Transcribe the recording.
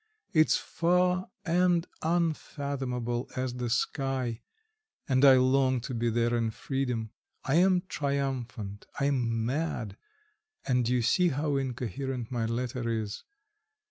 It's far and unfathomable as the sky, and I long to be there in freedom. I am triumphant, I am mad, and you see how incoherent my letter is.